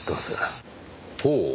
ほう。